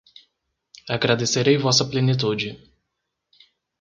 Agradecerei vossa plenitude